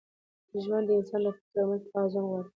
ژوند د انسان د فکر او عمل توازن غواړي.